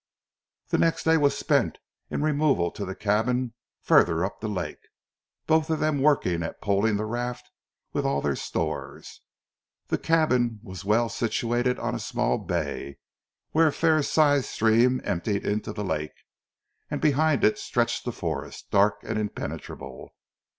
The next day was spent in removal to the cabin further up the lake, both of them working at poling the raft with all their stores. The cabin was well situated on a small bay, where a fair sized stream emptied into the lake, and behind it stretched the forest, dark and impenetrable.